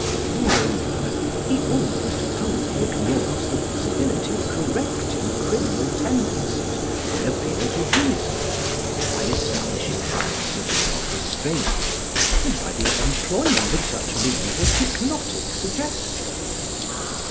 Moreover, he almost wholly ignores the possibility of correcting criminal tendencies by appeal to reason, by establishing habits of self restraint, and by the employment of such means as hypnotic suggestion.